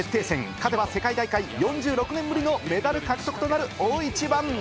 勝てば世界大会４６年ぶりのメダル獲得となる大一番。